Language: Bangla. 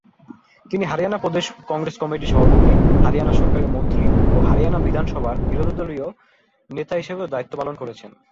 তিনি হরিয়ানা প্রদেশ কংগ্রেস কমিটির সভাপতি, হরিয়ানা সরকারের মন্ত্রী ও হরিয়ানা বিধানসভার বিরোধীদলীয় নেতা হিসেবেও দায়িত্ব পালন করেছেন।